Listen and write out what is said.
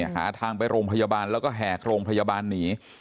หาทางไปโรงพยาบาลแล้วก็แห่โรงพยาบาลหนี